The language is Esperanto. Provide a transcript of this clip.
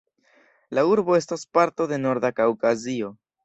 La urbo estas parto de Norda Kaŭkazio.